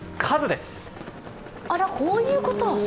あらっ、こういうこと？